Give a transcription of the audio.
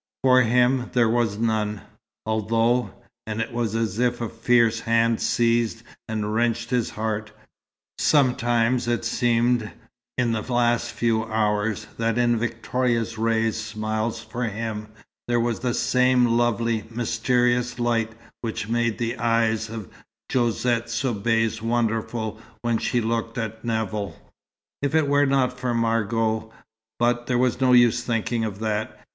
For him there was none; although and it was as if a fierce hand seized and wrenched his heart sometimes it had seemed, in the last few hours, that in Victoria Ray's smile for him there was the same lovely, mysterious light which made the eyes of Josette Soubise wonderful when she looked at Nevill. If it were not for Margot but there was no use thinking of that.